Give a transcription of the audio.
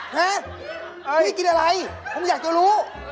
พี่กินอะไรผมอยากจะรู้